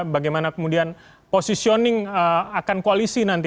bagaimana kemudian positioning akan koalisi nanti